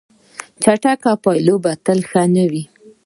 چټک پایله تل ښه نه وي.